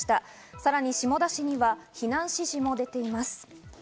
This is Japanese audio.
さらに下田市には避難指示も出ています。